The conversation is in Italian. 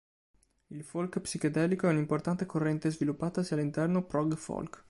Il folk psichedelico è un'importante corrente sviluppatasi all'interno prog folk.